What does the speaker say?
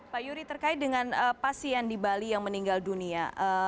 pak yuri terkait dengan pasien di bali yang meninggal dunia